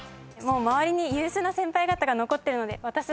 周りに優秀な先輩方が残ってるので私は。